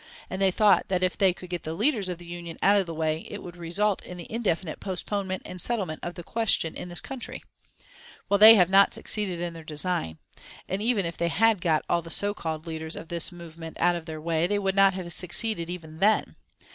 And they thought that if they could get the leaders of the Union out of the way, it would result in the indefinite postponement and settlement of the question in this country. Well, they have not succeeded in their design, and even if they had got all the so called leaders of this movement out of their way they would not have succeeded even then.